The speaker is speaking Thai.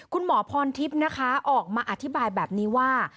คุณหมอพรทิพย์นะคะออกมาอธิบายแบบนี้ว่า